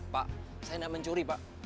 pak saya tidak mencuri pak